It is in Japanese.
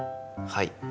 はい。